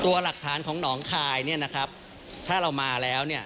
ตัวหลักฐานของน้องคลายถ้าเรามาแล้ว